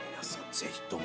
ぜひとも。